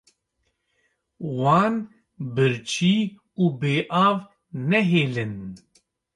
Wan birçî û bêav nehêlin.